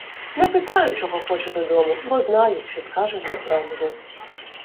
Не питаю, чого хоче додому, бо знаю, що скаже неправду.